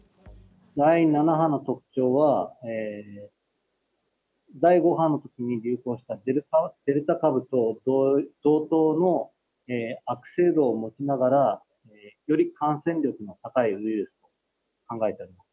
第７波の特徴は、第５波のときに流行した、デルタ株と同等の悪性度を持ちながら、より感染力の高いウイルスと考えております。